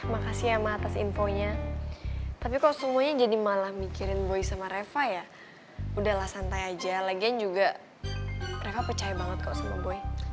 makasih ya ma atas infonya tapi kok semuanya jadi malah mikirin boy sama reva ya udahlah santai aja lagian juga mereka percaya banget kok sama boy